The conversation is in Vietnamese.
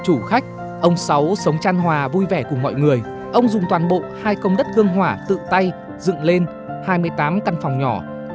chủ khách ông sáu sống trăn hòa vui vẻ cùng mọi người ông dùng toàn bộ hai công đất gương hỏa tự tay dựng lên hai mươi tám căn phòng nhỏ